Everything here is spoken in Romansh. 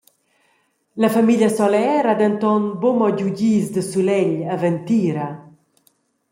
La famiglia Solèr ha denton buca mo giu dis da sulegl e ventira.